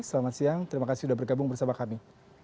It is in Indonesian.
selamat siang terima kasih sudah bergabung bersama kami